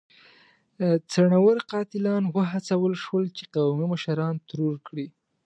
څڼيور قاتلان وهڅول شول چې قومي مشران ترور کړي.